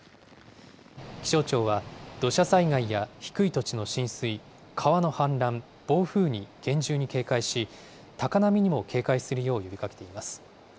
気象庁は、土砂災害や低い土地の浸水、川の氾濫、暴風に厳重に警戒し、高波にも警戒するよう呼びかけています。